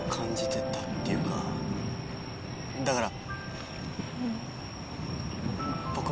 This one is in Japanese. だから。